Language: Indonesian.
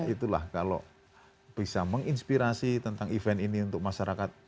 itulah kalau bisa menginspirasi tentang event ini untuk masyarakat